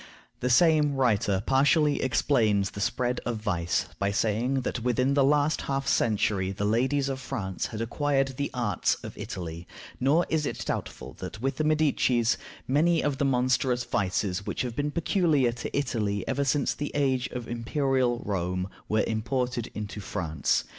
The same writer partially explains the spread of vice by saying that within the last half century the ladies of France had acquired the arts of Italy; nor is it doubtful that with the Medicis many of the monstrous vices which have been peculiar to Italy ever since the age of Imperial Rome were imported into France.